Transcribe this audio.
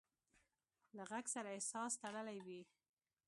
له غږ سره احساس تړلی وي.